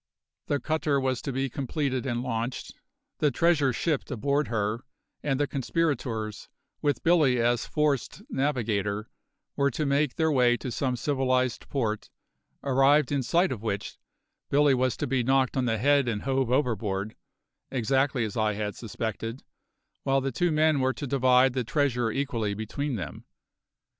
The cutter was to be completed and launched, the treasure shipped aboard her, and the conspirators, with Billy as forced navigator, were to make their way to some civilised port, arrived in sight of which, Billy was to be knocked on the head and hove overboard exactly as I had suspected while the two men were to divide the treasure equally between them.